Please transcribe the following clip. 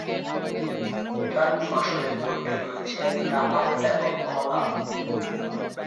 প্রধান ফসলের মধ্যে রয়েছে তামাক এবং কলা।